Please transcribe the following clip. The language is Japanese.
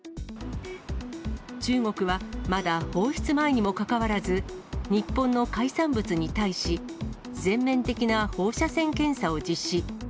中国は、まだ放出前にもかかわらず、日本の海産物に対し、全面的な放射線検査を実施。